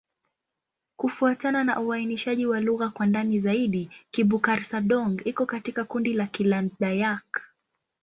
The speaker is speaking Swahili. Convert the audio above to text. Kufuatana na uainishaji wa lugha kwa ndani zaidi, Kibukar-Sadong iko katika kundi la Kiland-Dayak.